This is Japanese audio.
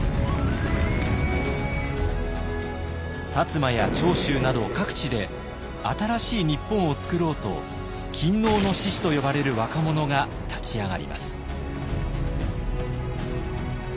摩や長州など各地で新しい日本をつくろうと勤王の志士と呼ばれる若者が立ち上がります。